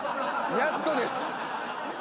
やっとです。